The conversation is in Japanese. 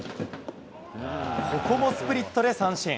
ここもスプリットで三振。